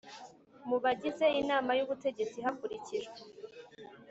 mu bagize Inama y Ubutegetsi hakurikijwe